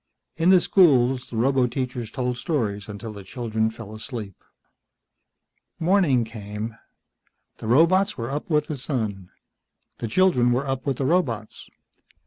In the schools, the roboteachers told stories until the children fell asleep. Morning came. The robots were up with the sun. The children were up with the robots.